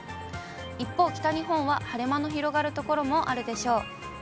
一方、北日本は晴れ間の広がる所もあるでしょう。